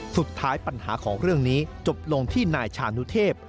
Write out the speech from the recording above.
สุดท้ายปัญหาของเรื่องนี้จบลงที่นายชานุเทพ